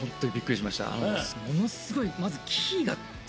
ものすごい。